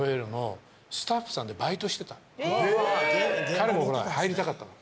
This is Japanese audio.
彼もほら入りたかったの。